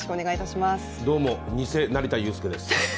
どうも偽成田悠輔です。